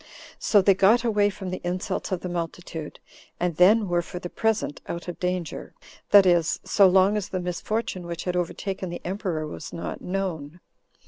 So they got away from the insults of the multitude, and then were for the present out of danger, that is, so long as the misfortune which had overtaken the emperor was not known.